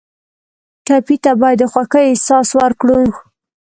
ټپي ته باید د خوښۍ احساس ورکړو.